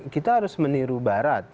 kita harus meniru barat